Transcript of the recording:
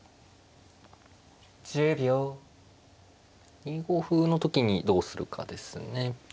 ２五歩の時にどうするかですね。